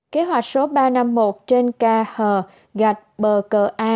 kế hoạch số ba trăm năm mươi một trên kh gạch bờ cờ a